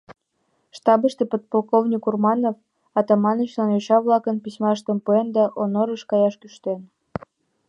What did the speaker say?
Штабыште подполковник Урманов Атаманычлан йоча-влакын письмаштым пуэн да Онорыш каяш кӱштен.